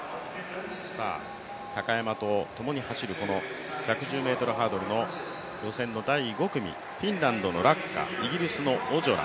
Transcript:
高山とともに走るこの１１０ｍハードルの予選の第５組フィンランドのラッカ、イギリスのオジョラ